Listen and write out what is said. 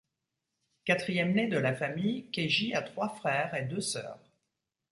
Quatrième né de la famille, Keiji a trois frères et deux sœurs.